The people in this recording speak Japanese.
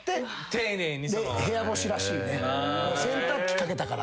洗濯機かけたから。